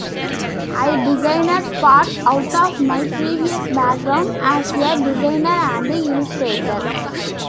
I designed Spot out of my previous background as a designer and illustrator.